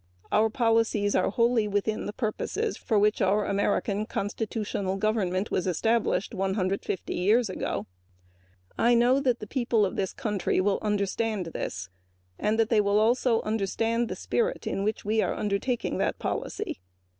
Our policies are wholly within purposes for which our American constitutional government was established 150 years ago. I know that the people of this country will understand this and will also understand the spirit in which we are undertaking this policy.